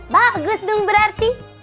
bagus dong berarti